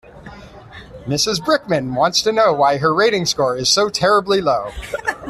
Mrs Brickman wants to know why her rating score is so terribly low.